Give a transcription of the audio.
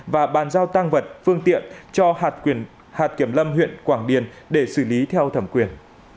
và bàn giao tăng vật phương tiện cho hạt kiểm lâm huyện quảng điền để xử lý theo thẩm quyền